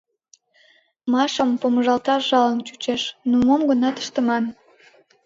Машам помыжалташ жалын чучеш, но мом-гынат ыштыман.